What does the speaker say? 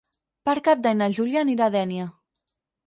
Per Cap d'Any na Júlia anirà a Dénia.